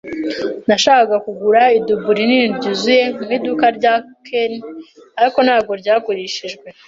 Nashakaga kugura idubu rinini ryuzuye mu iduka rya Ken, ariko ntabwo ryagurishijwe.